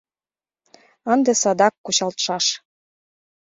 Ынде садак кучалтшаш.